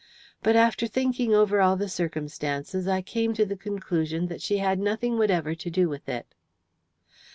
But, after thinking over all the circumstances, I came to the conclusion that she had nothing whatever to do with it."